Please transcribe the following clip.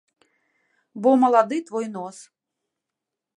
Бо малады твой нос.